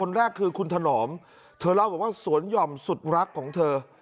แรกคือคุณถนอมเธอเล่าบอกว่าสวนหย่อมสุดรักของเธอ